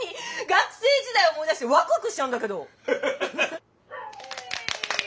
学生時代思い出してワクワクしちゃうんだけど。